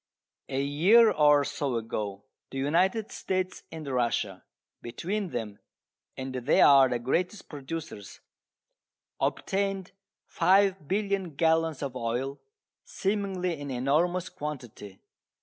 A year or so ago the United States and Russia between them (and they are the greatest producers) obtained 5,000,000,000 gallons of oil, seemingly an enormous quantity.